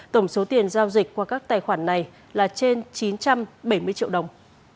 tổng số tiền giao dịch qua các tài khoản này là trên chín trăm bảy mươi triệu đồng